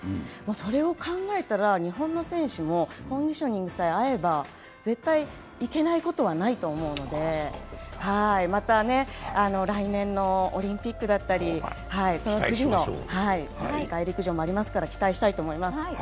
それを考えたら日本の選手もコンディショニングさえ合えば、絶対いけないことはないと思いますので、また来年のオリンピックだったり、その次の世界陸上もありますから期待したいと思います。